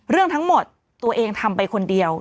เรื่องทั้งหมดตัวเองทำไปคนเดียว